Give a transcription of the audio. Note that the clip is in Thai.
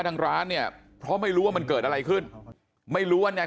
ทางร้านเนี่ยเพราะไม่รู้ว่ามันเกิดอะไรขึ้นไม่รู้ว่าเนี่ย